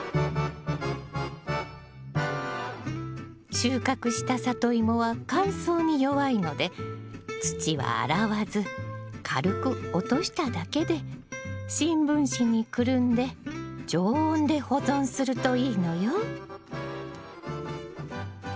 収穫したサトイモは乾燥に弱いので土は洗わず軽く落としただけで新聞紙にくるんで常温で保存するといいのよ。